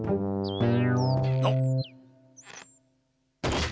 あっ。